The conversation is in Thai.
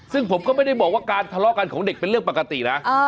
ซึ่งผมก็ไม่ได้บอกว่าการทะเลาะกันของเด็กเป็นเรื่องปกตินะ